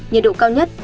nhiệt độ cao nhất